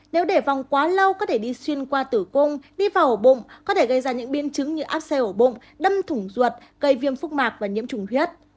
nếu để vòng quá lâu có thể đi xuyên qua tử cung đi vào ổ bụng có thể gây ra những biến chứng như áp xe ổ bụng đâm thủng ruột gây viêm phúc mạc và nhiễm trùng huyết